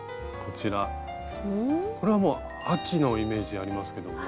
これはもう秋のイメージありますけども。